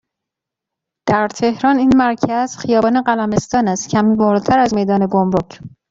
در تهران این مرکز، خیابان قلمستان است؛ کمی بالاتر از میدان گمرک.